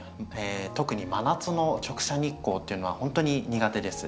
特に真夏の直射日光っていうのはほんとに苦手です。